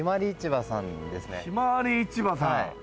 ひまわり市場さん。